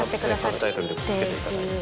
サブタイトルで付けていただいて。